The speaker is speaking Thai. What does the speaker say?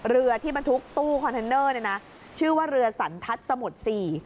เรือที่บรรทุกตู้คอนเทนเนอร์เนี่ยนะชื่อว่าเรือสันทัศน์สมุทรสี่